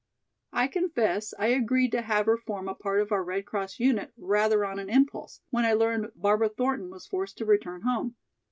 I confess I agreed to have her form a part of our Red Cross unit rather on an impulse, when I learned Barbara Thornton was forced to return home.